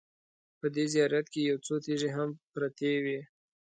په دې زیارت کې یو څو تیږې هم پرتې وې.